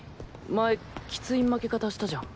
前キツい負け方したじゃん。